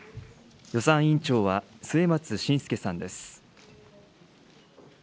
予算委員長は、末松信介さんです。